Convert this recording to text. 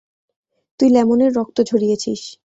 তুই লেমনের রক্ত ঝরিয়েছিস।